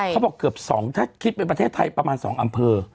เขาบอกเกือบ๒ถ้าคิดเป็นประเทศไทยประมาณ๒อำเภอ